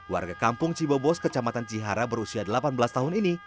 warga kampung cibobos kecamatan cihara berusia delapan belas tahun ini